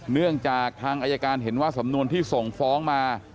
เนื่องจากทางอายการเห็นว่าสำนวนที่ส่งฟ้องมา